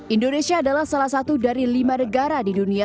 indonesia adalah salah satu dari lima negara di dunia